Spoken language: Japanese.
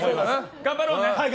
頑張ろうね。